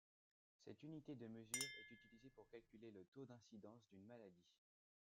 Cette unité de mesure est utilisée pour calculer le taux d'incidence d'une maladie.